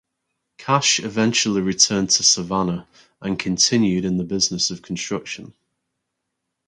Cash eventually returned to Savannah and continued in the business of construction.